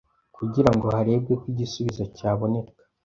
kugira ngo harebwe ko igisubizo cyaboneka